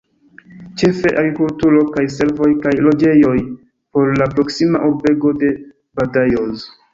Ĉefe agrikulturo kaj servoj kaj loĝejoj por la proksima urbego de Badajoz.